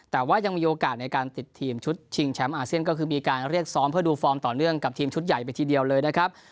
แต่ว่ายังมีโอกาสในการติดทีมชุดชิงแชมป์อาเซียนก็คือมีการเรียกซ้อมเพื่อดูฟอร์มต่อเนื่องกับทีมชุดใหญ่ไปทีเดียวเลยนะครับ